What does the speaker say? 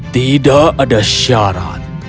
tidak ada syarat